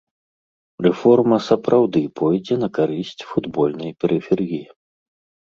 Рэформа сапраўды пойдзе на карысць футбольнай перыферыі.